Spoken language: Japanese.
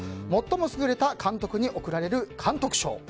最も優れた監督に贈られる監督賞。